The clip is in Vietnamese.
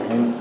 tuần thì giả